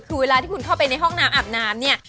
คือเวลาที่คุณเข้าไปในห้องน้ำอาบน้ำเนี่ย